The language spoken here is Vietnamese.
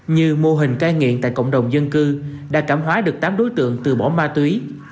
như mô hình cai nghiện tại cộng đồng dân cư đã cảm hóa được tám đối tượng từ bỏ ma túy